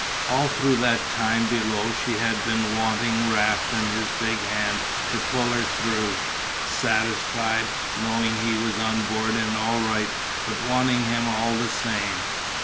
All through that time below she had been wanting Raft and his big hand to pull her through. Satisfied, knowing he was on board and all right, but wanting him all the same.